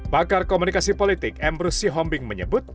bakar komunikasi politik embrus syihombing menyebut